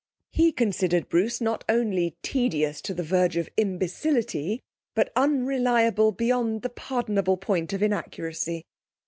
He considered Bruce not only tedious to the verge of imbecility, but unreliable beyond the pardonable point of inaccuracy.